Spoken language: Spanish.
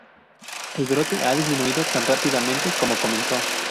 El brote ha disminuido tan rápidamente como comenzó.